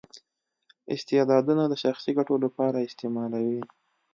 استعدادونه د شخصي ګټو لپاره استعمالوي.